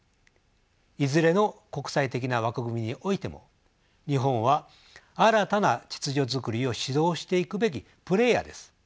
いずれの国際的な枠組みにおいても日本は新たな秩序づくりを指導していくべきプレーヤーです。